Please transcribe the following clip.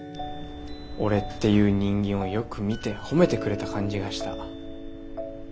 俺っていう人間をよく見て褒めてくれた感じがした。